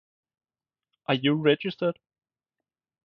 Are you registered?